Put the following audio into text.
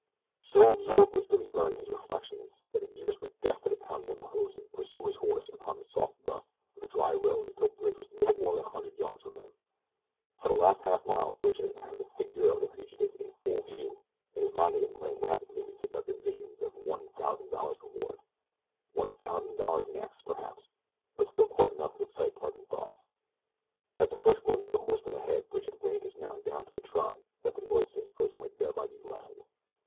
So absorbed was Billy Byrne in his reflections that his ears were deaf to the pounding of the hoofs of the pursuer's horse upon the soft dust of the dry road until Bridge was little more than a hundred yards from him. For the last half mile Bridge had had the figure of the fugitive in full view and his mind had been playing rapidly with seductive visions of the one thousand dollars reward one thousand dollars Mex, perhaps, but still quite enough to excite pleasant thoughts. At the first glimpse of the horseman ahead Bridge had reined his mount down to a trot that the noise of his approach might thereby be lessened.